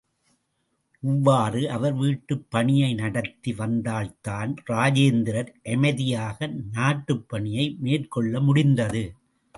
இவ்வாறு அவர் வீட்டுப் பணியை நடத்தி வந்ததால்தான் இராஜேந்திரர் அமைதியாக நாட்டுப் பணியை மேற்கொள்ள முடிந்தது.